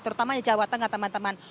terutama jawa tengah teman teman